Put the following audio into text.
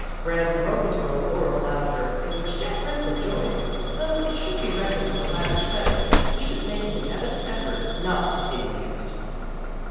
Graham broke into a roar of laughter, in which Jack Rynson joined, though it should be reckoned to the latter's credit that he was making an evident effort not to seem amused.